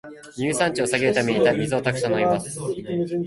尿酸値を下げるために水をたくさん飲みます